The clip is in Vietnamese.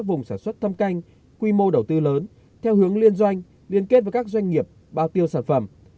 vùng sản xuất thâm canh quy mô đầu tư lớn theo hướng liên doanh liên kết với các doanh nghiệp bao tiêu sản phẩm